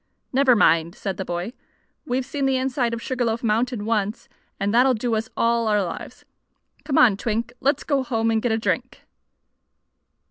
"Never mind," said the boy. "We've seen the inside of Sugar Loaf Mountain once, and that'll do us all our lives. Come on, Twink. Let's go home and get a drink!"